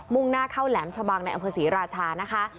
่งหน้าเข้าแหลมชะบังในอำเภอศรีราชานะคะ